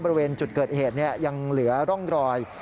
บริเวณจุดเกิดเหตุยังเหลือร่องรอย